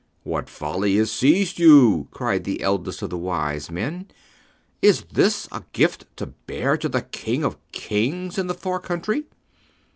"What folly has seized you?" cried the eldest of the wise men. "Is this a gift to bear to the King of Kings in the far country?"